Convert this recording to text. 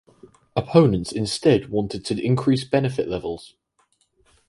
Opponents instead wanted to increase benefit levels.